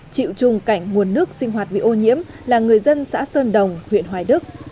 chịu chung cảnh nguồn nước sinh hoạt bị ô nhiễm là người dân xã sơn đồng huyện hoài đức